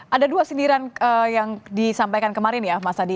ada dua sindiran yang disampaikan kemarin ya mas adi